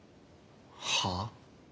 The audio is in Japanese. はあ？